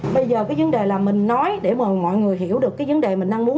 bây giờ cái vấn đề là mình nói để mà mọi người hiểu được cái vấn đề mình đang muốn